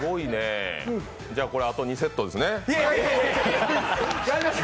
じゃこれ、あと２セットですね。